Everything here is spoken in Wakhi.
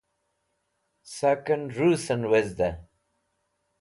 Saken Russen Wezde